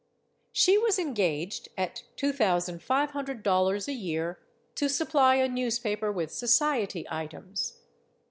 She was engaged, at two thousand five hundred dollars a year, to supply a newspaper with society items.